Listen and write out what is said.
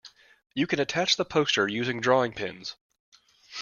You can attach the poster using drawing pins